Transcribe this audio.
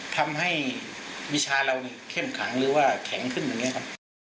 ทำให้วิชาเราเนี่ยเข้มขังหรือว่าแข็งขึ้นอย่างนี้ครับ